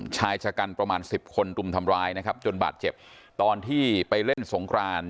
ชายชะกันประมาณสิบคนรุมทำร้ายนะครับจนบาดเจ็บตอนที่ไปเล่นสงคราน